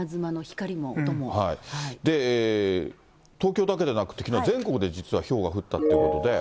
で、東京だけでなくて、きのうは全国で実はひょうが降ったっていうことで。